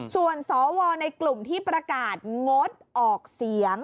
ส่วนสวในกลุ่มที่ประกาศงดออกเสียง